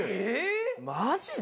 マジで！？